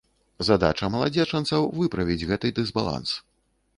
Задача маладзечанцаў выправіць гэты дысбаланс.